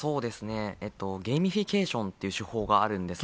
ゲーミフィケーションという手法があるんですが。